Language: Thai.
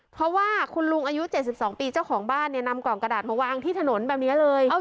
เพราะว่าคุณลุงอายุ๗๒ปีเจ้าของบ้านเนี่ยนำกล่องกระดาษมาวางที่ถนนแบบนี้เลย